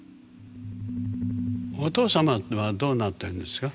お父様はどうなってるんですか？